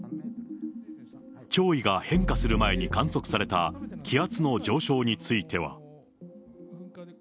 潮位が変化する前に観測された気圧の上昇については。